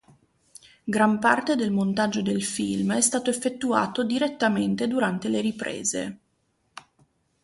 Gran parte del montaggio del film è stato effettuato direttamente durante le riprese.